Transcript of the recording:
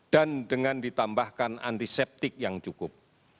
dan dengan ditambahkan antiseptik yang cukup